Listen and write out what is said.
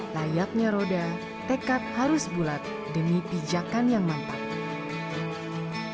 layaknya roda tekad harus bulat demi pijakan yang mantap